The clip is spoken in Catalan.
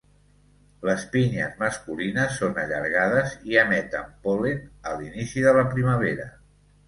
Les pinyes masculines són allargades i emeten pol·len a l'inici de la primavera.